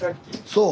そう？